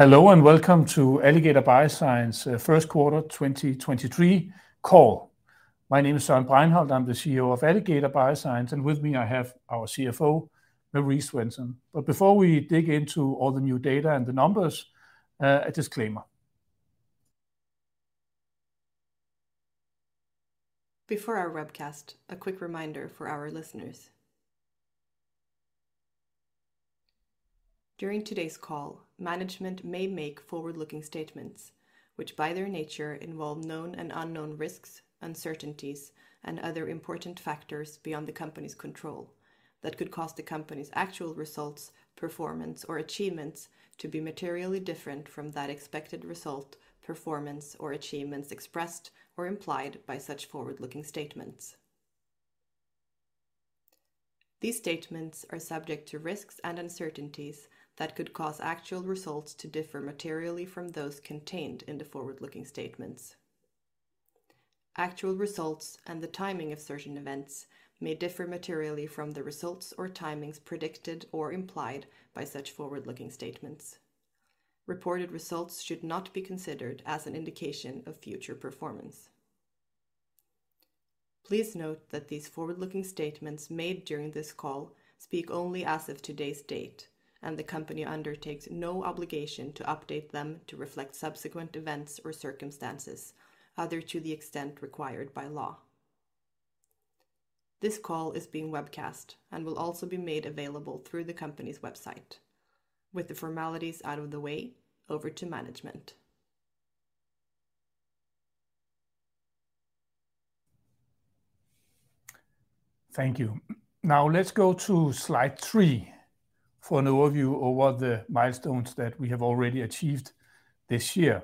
Hello, welcome to Alligator Bioscience, first quarter 2023 call. My name is Søren Bregenholt. I'm the CEO of Alligator Bioscience, and with me I have our CFO, Marie Svensson. Before we dig into all the new data and the numbers, a disclaimer. Before our webcast, a quick reminder for our listeners. During today's call, management may make forward-looking statements, which by their nature involve known and unknown risks, uncertainties and other important factors beyond the company's control that could cause the company's actual results, performance or achievements to be materially different from that expected result, performance or achievements expressed or implied by such forward-looking statements. These statements are subject to risks and uncertainties that could cause actual results to differ materially from those contained in the forward-looking statements. Actual results and the timing of certain events may differ materially from the results or timings predicted or implied by such forward-looking statements. Reported results should not be considered as an indication of future performance. Please note that these forward-looking statements made during this call speak only as of today's date, and the company undertakes no obligation to update them to reflect subsequent events or circumstances other to the extent required by law. This call is being webcast and will also be made available through the company's website. With the formalities out of the way, over to management. Thank you. Let's go to slide three for an overview over the milestones that we have already achieved this year.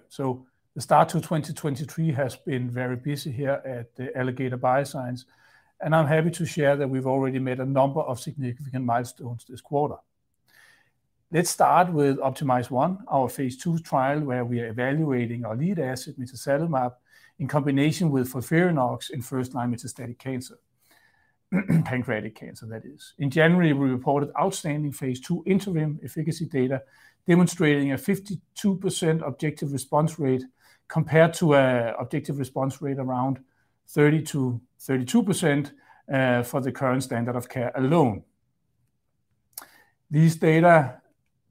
The start to 2023 has been very busy here at Alligator Bioscience, and I'm happy to share that we've already made a number of significant milestones this quarter. Let's start with OPTIMIZE-1, our phase II trial, where we are evaluating our lead asset mitazalimab in combination with FOLFIRINOX in first-line metastatic cancer. Pancreatic cancer, that is. In January, we reported outstanding phase II interim efficacy data, demonstrating a 52% objective response rate compared to a objective response rate around 30%-32% for the current standard of care alone. These data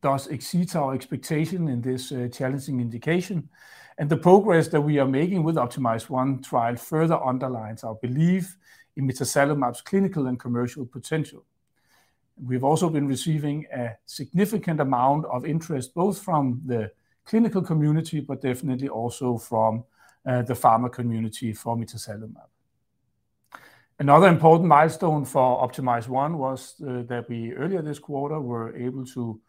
does exceed our expectation in this challenging indication, the progress that we are making with OPTIMIZE-1 trial further underlines our belief in mitazalimab's clinical and commercial potential. We've also been receiving a significant amount of interest, both from the clinical community, but definitely also from the pharma community for mitazalimab. Another important milestone for OPTIMIZE-1 was that we earlier this quarter were able to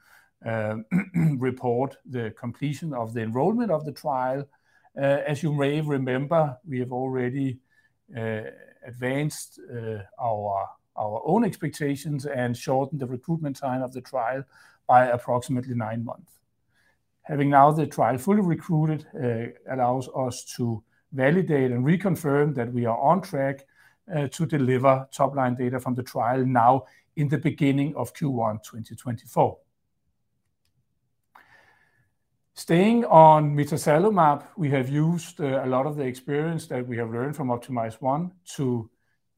report the completion of the enrollment of the trial. As you may remember, we have already advanced our own expectations and shortened the recruitment time of the trial by approximately nine months. Having now the trial fully recruited allows us to validate and reconfirm that we are on track to deliver top-line data from the trial now in the beginning of Q1 2024. Staying on mitazalimab, we have used a lot of the experience that we have learned from OPTIMIZE-1 to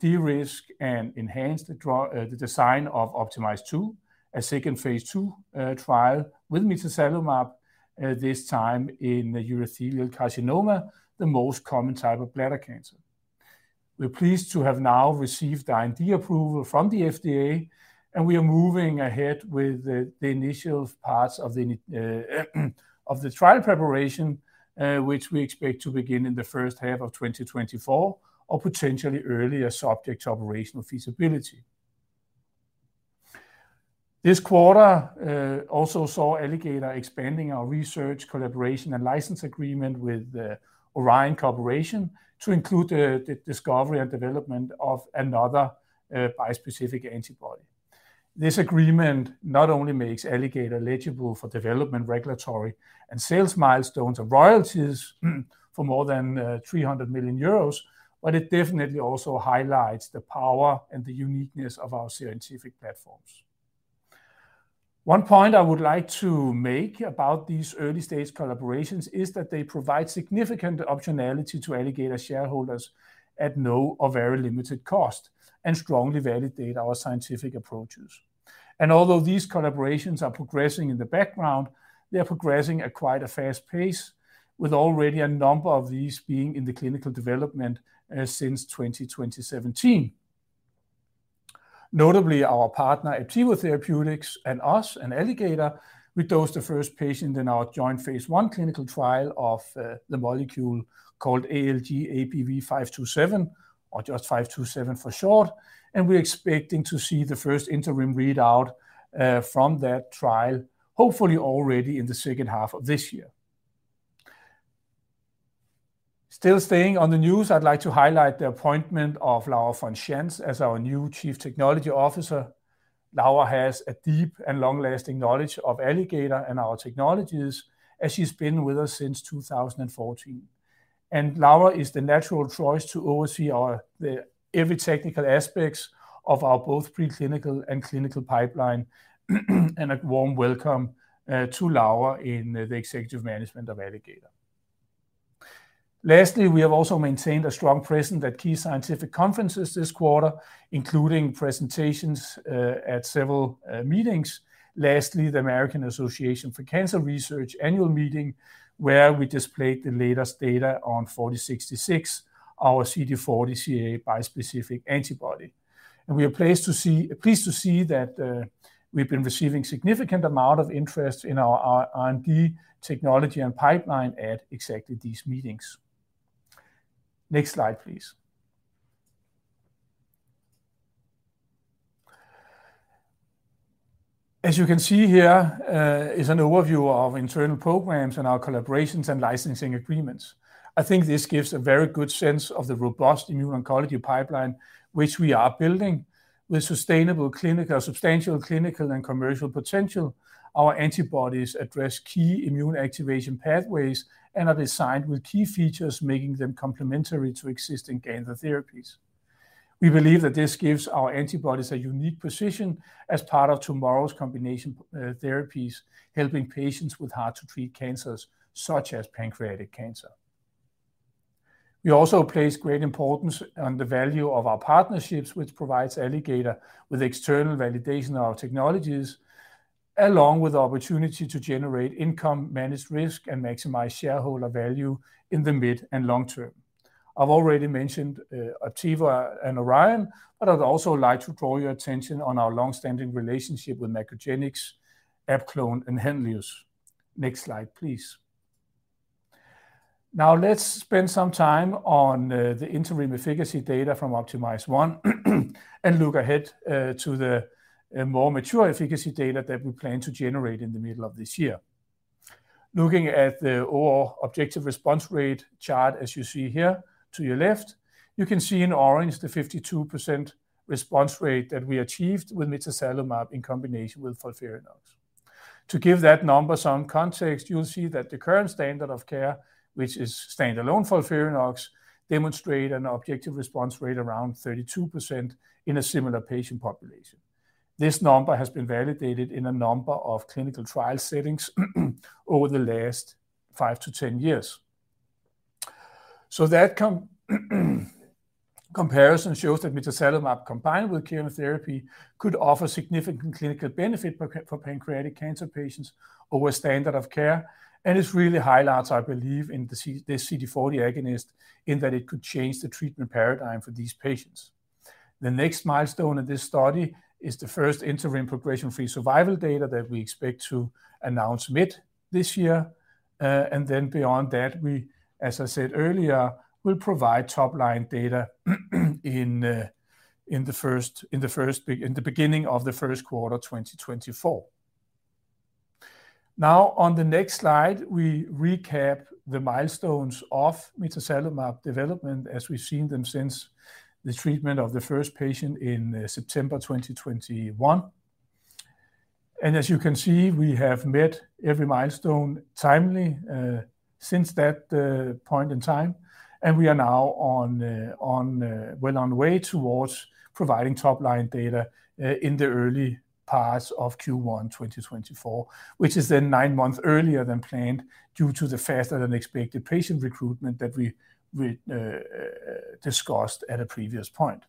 de-risk and enhance the draw, the design of OPTIMIZE-2, a second phase II trial with mitazalimab, this time in urothelial carcinoma, the most common type of bladder cancer. We're pleased to have now received IND approval from the FDA. We are moving ahead with the initial parts of the trial preparation, which we expect to begin in the first half of 2024 or potentially earlier subject to operational feasibility. This quarter also saw Alligator expanding our research collaboration and license agreement with Orion Corporation to include the discovery and development of another bispecific antibody. This agreement not only makes Alligator eligible for development, regulatory and sales milestones and royalties for more than 300 million euros, but it definitely also highlights the power and the uniqueness of our scientific platforms. One point I would like to make about these early-stage collaborations is that they provide significant optionality to Alligator shareholders at no or very limited cost and strongly validate our scientific approaches. Although these collaborations are progressing in the background, they are progressing at quite a fast pace, with already a number of these being in the clinical development since 2017. Notably, our partner at Teva Pharmaceutical Industries and us and Alligator, we dosed the first patient in our joint phase I clinical trial of the molecule called ALG.APV-527 or just 527 for short. We're expecting to see the first interim readout from that trial, hopefully already in the second half of this year. Still staying on the news, I'd like to highlight the appointment of Laura von Schantz as our new Chief Technology Officer. Laura has a deep and long-lasting knowledge of Alligator and our technologies, as she's been with us since 2014. Laura is the natural choice to oversee the every technical aspects of our both preclinical and clinical pipeline. A warm welcome to Laura in the executive management of Alligator. Lastly, we have also maintained a strong presence at key scientific conferences this quarter, including presentations at several meetings. Lastly, the American Association for Cancer Research annual meeting, where we displayed the latest data on ATOR-4066, our CD40CA bispecific antibody. We are pleased to see that we've been receiving significant amount of interest in our R&D technology and pipeline at exactly these meetings. Next slide, please. As you can see here, is an overview of internal programs and our collaborations and licensing agreements. I think this gives a very good sense of the robust immuno-oncology pipeline, which we are building with substantial clinical and commercial potential. Our antibodies address key immune activation pathways and are designed with key features, making them complementary to existing cancer therapies. We believe that this gives our antibodies a unique position as part of tomorrow's combination therapies, helping patients with hard to treat cancers, such as pancreatic cancer. We also place great importance on the value of our partnerships, which provides Alligator with external validation of our technologies, along with the opportunity to generate income, manage risk, and maximize shareholder value in the mid and long term. I've already mentioned Aptevo and Orion, but I'd also like to draw your attention on our long-standing relationship with MacroGenics, AbClon, and Henlius. Next slide, please. Let's spend some time on the interim efficacy data from OPTIMIZE-1 and look ahead to the more mature efficacy data that we plan to generate in the middle of this year. Looking at the overall objective response rate chart as you see here to your left, you can see in orange the 52% response rate that we achieved with mitazalimab in combination with FOLFIRINOX. To give that number some context, you'll see that the current standard of care, which is standalone FOLFIRINOX, demonstrate an objective response rate around 32% in a similar patient population. This number has been validated in a number of clinical trial settings over the last five years-10 years. That comparison shows that mitazalimab combined with chemotherapy could offer significant clinical benefit for pancreatic cancer patients over standard of care and it really highlights, I believe, in this CD40 agonist in that it could change the treatment paradigm for these patients. The next milestone of this study is the first interim progression-free survival data that we expect to announce mid this year. Beyond that, we, as I said earlier, will provide top-line data in the beginning of the first quarter, 2024. Now on the next slide, we recap the milestones of mitazalimab development as we've seen them since the treatment of the first patient in September 2021. As you can see, we have met every milestone timely since that point in time. We are now on, well on the way towards providing top-line data in the early parts of Q1 2024, which is then nine months earlier than planned due to the faster than expected patient recruitment that we discussed at a previous point.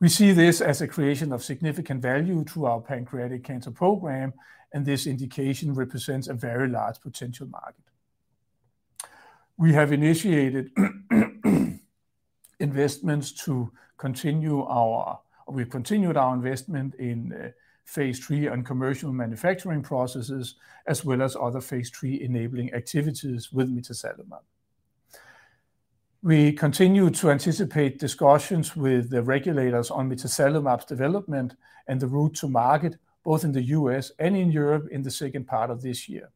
We see this as a creation of significant value to our pancreatic cancer program, and this indication represents a very large potential market. We have initiated investments to continue our continued our investment in phase III on commercial manufacturing processes as well as other phase III enabling activities with mitazalimab. We continue to anticipate discussions with the regulators on mitazalimab's development and the route to market, both in the U.S. and in Europe in the second part of this year.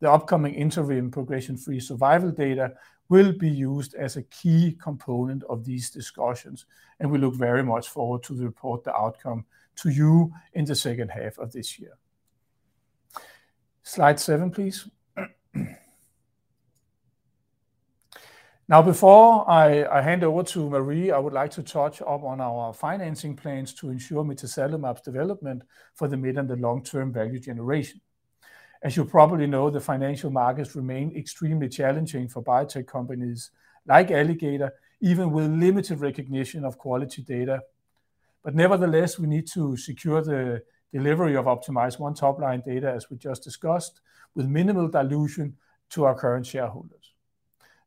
The upcoming interim progression-free survival data will be used as a key component of these discussions, and we look very much forward to report the outcome to you in the second half of this year. Slide seven, please. Before I hand over to Marie, I would like to touch up on our financing plans to ensure mitazalimab's development for the mid and the long-term value generation. As you probably know, the financial markets remain extremely challenging for biotech companies like Alligator, even with limited recognition of quality data. Nevertheless, we need to secure the delivery of OPTIMIZE-1 top-line data as we just discussed, with minimal dilution to our current shareholders.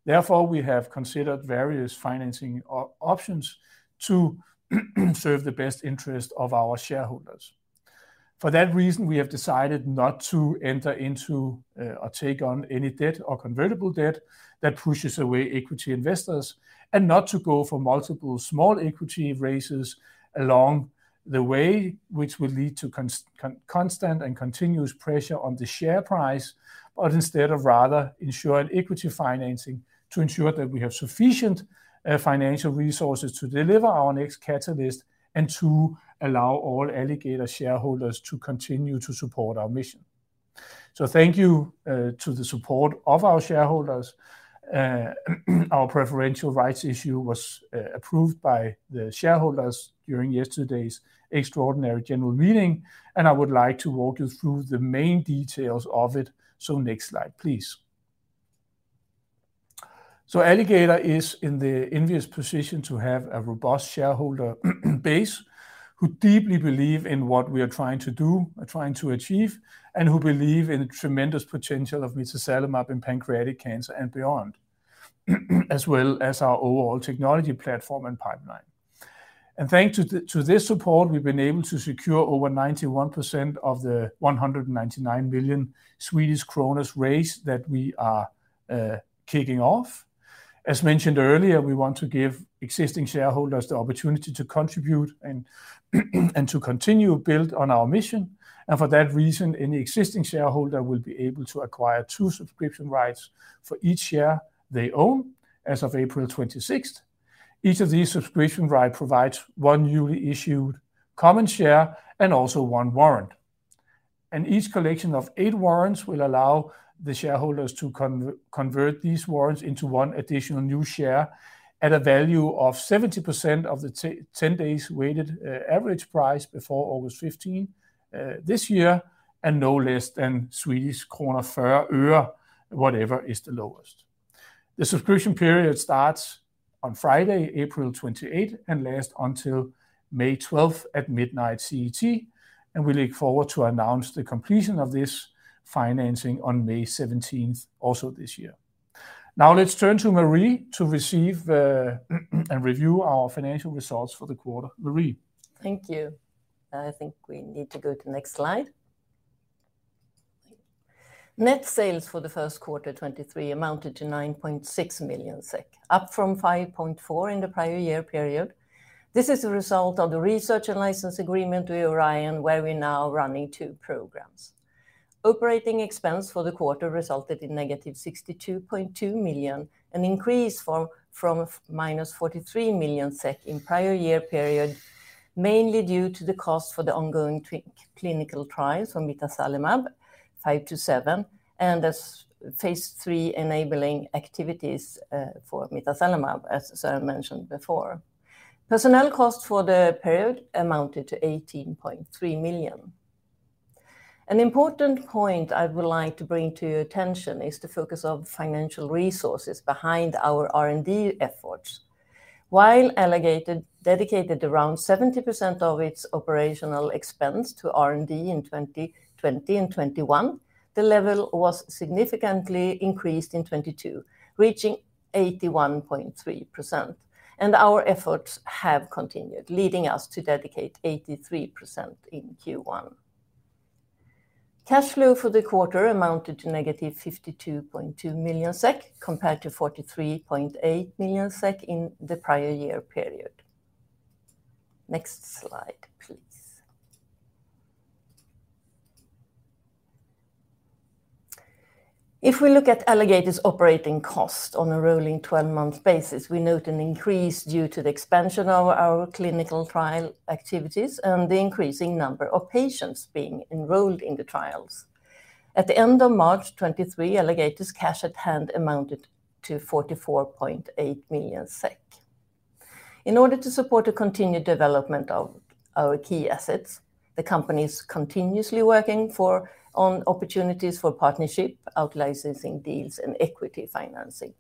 Therefore, we have considered various financing options to serve the best interest of our shareholders. For that reason, we have decided not to enter into, or take on any debt or convertible debt that pushes away equity investors and not to go for multiple small equity raises along the way, which will lead to constant and continuous pressure on the share price. Instead of rather ensure an equity financing to ensure that we have sufficient financial resources to deliver our next catalyst and to allow all Alligator shareholders to continue to support our mission. Thank you to the support of our shareholders. Our preferential rights issue was approved by the shareholders during yesterday's extraordinary general meeting, and I would like to walk you through the main details of it. Next slide, please. Alligator is in the envious position to have a robust shareholder base who deeply believe in what we are trying to do, are trying to achieve, and who believe in the tremendous potential of mitazalimab in pancreatic cancer and beyond, as well as our overall technology platform and pipeline. Thanks to this support, we've been able to secure over 91% of the 199 million Swedish kronor raise that we are kicking off. As mentioned earlier, we want to give existing shareholders the opportunity to contribute and to continue to build on our mission. For that reason, any existing shareholder will be able to acquire two subscription rights for each share they own as of April 26th. Each of these subscription right provides one newly issued common share and also one warrant. Each collection of eight warrants will allow the shareholders to convert these warrants into one additional new share at a value of 70% of the 10 days weighted average price before August 15, this year, and no less than SEK 4 öre, whatever is the lowest. The subscription period starts on Friday, April 28 and last until May 12 at midnight CET, and we look forward to announce the completion of this financing on May 17 also this year. Now let's turn to Marie to receive and review our financial results for the quarter. Marie. Thank you. I think we need to go to next slide. Net sales for the first quarter 2023 amounted to 9.6 million SEK, up from 5.4 million in the prior year period. This is a result of the research and license agreement with Orion where we're now running two programs. Operating expense for the quarter resulted in -62.2 million, from -43 million SEK in prior year period, mainly due to the cost for the ongoing clinical trials for mitazalimab, ALG.APV-527, and as phase III enabling activities for mitazalimab, as Søren mentioned before. Personnel costs for the period amounted to 18.3 million. An important point I would like to bring to your attention is the focus of financial resources behind our R&D efforts. While Alligator dedicated around 70% of its operational expense to R&D in 2020 and 2021, the level was significantly increased in 2022, reaching 81.3%. Our efforts have continued, leading us to dedicate 83% in Q1. Cash flow for the quarter amounted to negative 52.2 million SEK compared to 43.8 million SEK in the prior year period. Next slide, please. If we look at Alligator's operating cost on a rolling 12-month basis, we note an increase due to the expansion of our clinical trial activities and the increasing number of patients being enrolled in the trials. At the end of March 2023, Alligator's cash at hand amounted to 44.8 million SEK. In order to support the continued development of our key assets, the company is continuously working on opportunities for partnership, out licensing deals and equity financing.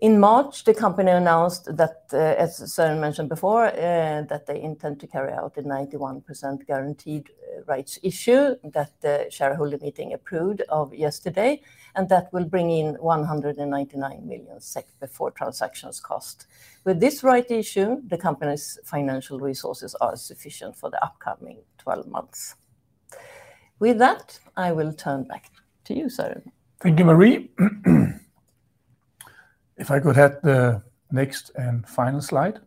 In March, the company announced that, as Søren mentioned before, that they intend to carry out a 91% guaranteed rights issue that the shareholder meeting approved of yesterday, and that will bring in 199 million SEK before transactions cost. With this rights issue, the company's financial resources are sufficient for the upcoming 12 months. With that, I will turn back to you, Søren. Thank you, Marie. If I could have the next and final slide.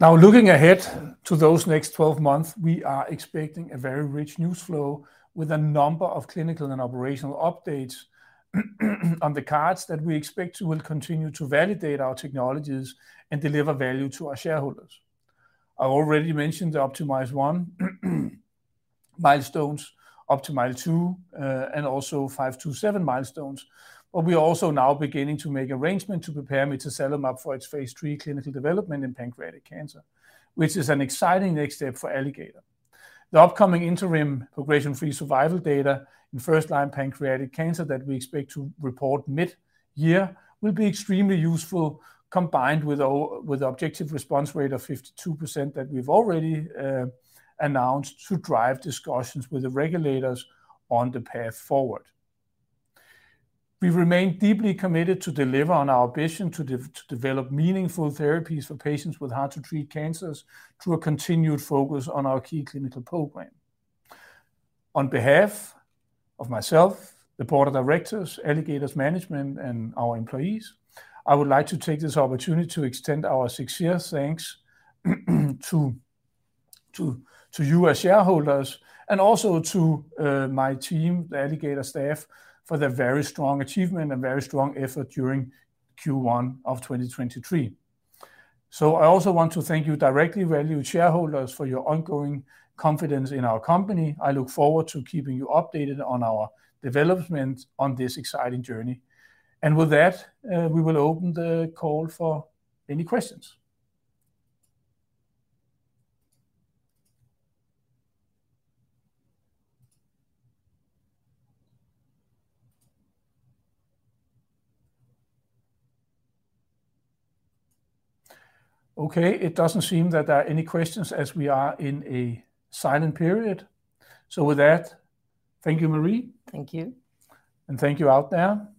Looking ahead to those next 12 months, we are expecting a very rich news flow with a number of clinical and operational updates on the cards that we expect will continue to validate our technologies and deliver value to our shareholders. I already mentioned the OPTIMIZE 1 milestones, OPTIMIZE 2, and also five-two-seven milestones, we are also now beginning to make arrangement to prepare mitazalimab for its phase III clinical development in pancreatic cancer, which is an exciting next step for Alligator. The upcoming interim progression-free survival data in first-line pancreatic cancer that we expect to report mid-year will be extremely useful combined with the objective response rate of 52% that we've already announced to drive discussions with the regulators on the path forward. We remain deeply committed to deliver on our ambition to develop meaningful therapies for patients with hard to treat cancers through a continued focus on our key clinical program. On behalf of myself, the board of directors, Alligator's management, and our employees, I would like to take this opportunity to extend our sincere thanks to you as shareholders and also to my team, the Alligator staff, for their very strong achievement and very strong effort during Q1 of 2023. I also want to thank you directly, valued shareholders, for your ongoing confidence in our company. I look forward to keeping you updated on our development on this exciting journey. With that, we will open the call for any questions. Okay. It doesn't seem that there are any questions as we are in a silent period. With that, thank you, Marie. Thank you. Thank you out there.